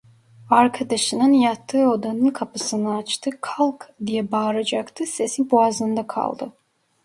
Arkadaşının yattığı odanın kapısını açtı: "Kalk!" diye bağıracaktı, sesi boğazında kaldı.